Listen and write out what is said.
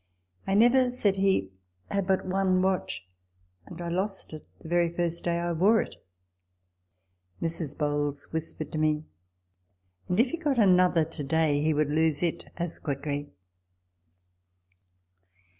" I never," said he, " had but one watch ; and I lost it the very first day I wore it." Mrs. Bowles whispered to me, " And if he got another to day, he would lose it as quickly."